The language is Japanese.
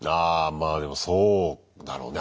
まあでもそうだろうね。